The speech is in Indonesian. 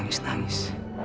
kamu harus menangis